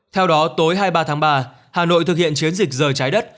theo đó tối hai mươi ba tháng ba hà nội thực hiện chiến dịch giờ trái đất